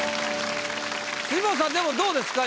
辻元さんでもどうですか？